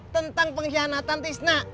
tentang pengkhianatan tisna